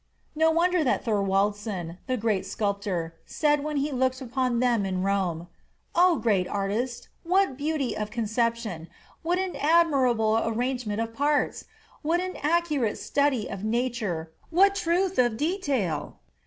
No wonder that Thorwaldsen, the great sculptor, said when he looked upon them in Rome, "O great artist! what beauty of conception! what an admirable arrangement of parts! what an accurate study of nature! what truth of detail!"